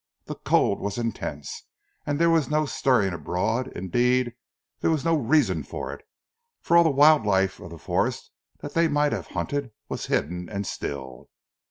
The cold was intense, and there was no stirring abroad; indeed, there was no reason for it, since all the wild life of the forest that they might have hunted, was hidden and still.